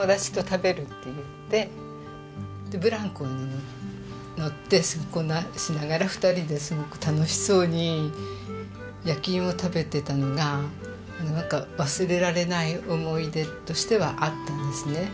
ブランコに乗ってこんなしながら２人ですごく楽しそうに焼き芋を食べていたのが忘れられない思い出としてはあったんですね。